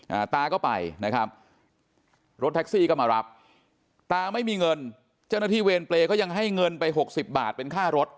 อ่าตาก็ไปนะครับรถแท็กซี่ก็มารับตาไม่มีเงินเจ้าหน้าที่เวรเปรย์ก็ยังให้เงินไปหกสิบบาทเป็นค่ารถ